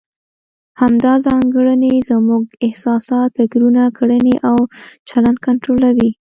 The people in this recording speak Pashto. همدا ځانګړنې زموږ احساسات، فکرونه، کړنې او چلند کنټرولوي.